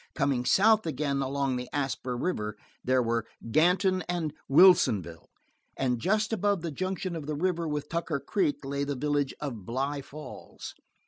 Coming south again along the Asper River there were Ganton and Wilsonville, and just above the junction of the river with Tucker Creek lay the village of Bly Falls.